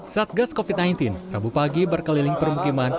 satgas covid sembilan belas rabu pagi berkeliling permukiman